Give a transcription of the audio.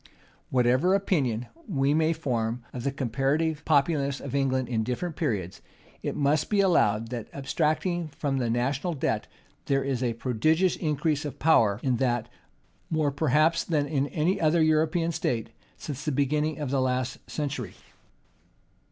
Whatever opinion we may form of the comparative populousness of England in different periods, it must be allowed that, abstracting from the national debt, there is a prodigious increase of power in that, more perhaps than in any other European state, since the beginning of the last century.